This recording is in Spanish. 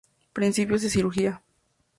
Principios de cirugía.